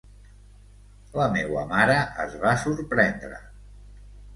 La meua mare es va sorprendre.